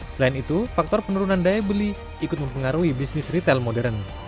selain itu faktor penurunan daya beli ikut mempengaruhi bisnis retail modern